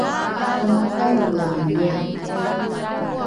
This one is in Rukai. kamakaolroni mia?